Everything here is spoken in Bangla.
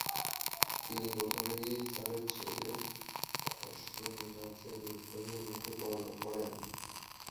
তিনি প্রথমেই তার ছেলে খসরু মিরজার বিদ্রোহের মুখে পড়েন।